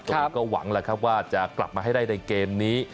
ก็หวังแล้วครับว่าจะกลับมาให้ได้ในเกมนี้